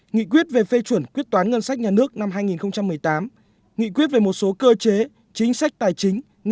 nghị quyết về phê chuẩn quyết toán ngân sách nhà nước năm hai nghìn một mươi tám nghị quyết về một số cơ chế chính sách tài chính